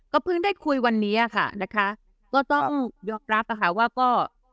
เพิ่งได้คุยวันนี้ค่ะนะคะก็ต้องยอมรับอะค่ะว่าก็